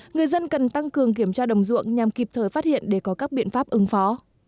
người dân cần tăng cường kiểm tra đồng ruộng nhằm kịp thời phát hiện để có các biện pháp ứng phó